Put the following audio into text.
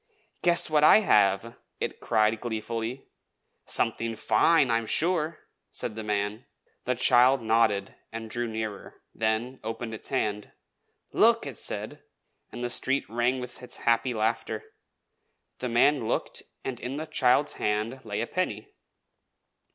"Guess what I have!" it cried gleefully. "Something fine, I am sure!" said the man. The child nodded and drew nearer; then opened its hand. "Look!" it said; and the street rang with its happy laughter. The man looked, and in the child's hand lay a penny.